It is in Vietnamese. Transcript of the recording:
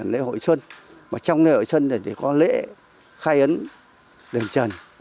lễ hội xuân mà trong lễ hội xuân này thì có lễ khai ấn đền trần